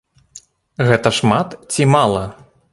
Гэта шмат ці мала?